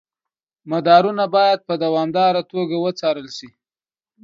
مدارونه باید په دوامداره توګه وڅارل شي.